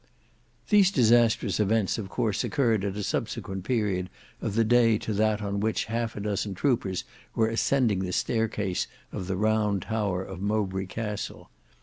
These disastrous events of course occurred at a subsequent period of the day to that on which half a dozen troopers were ascending the staircase of the Round Tower of Mowbray Castle.